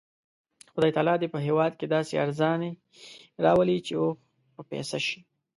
خدای تعالی دې په هېواد کې داسې ارزاني راولي چې اوښ په پیسه شي.